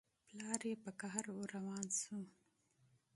پلار يې په قهر ور روان شو.